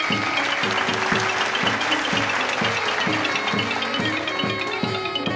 อ่าอ่าอ่า